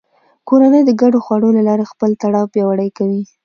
کورنۍ د ګډو خواړو له لارې خپل تړاو پیاوړی کوي